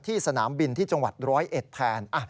สนามบินที่จังหวัดร้อยเอ็ดแทน